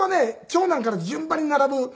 長男から順番に並ぶのとか。